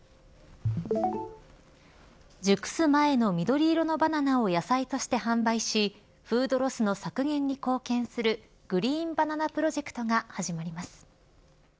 熟す前の緑色のバナナを野菜として販売しフードロスの削減に貢献するグリーンバナナプロジェクトが始まります。